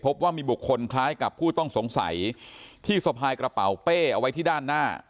พบว่ามีบุคคลคล้ายกับผู้ต้องสงสัยที่สะพายกระเป๋าเป้เอาไว้ที่ด้านหน้า